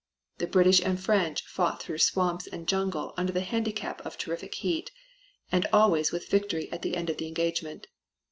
The British and French fought through swamps and jungle under the handicap of terrific heat, and always with victory at the end of the engagement.